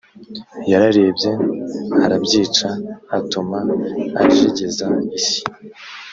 yararebye arabyica atuma ajegeza isi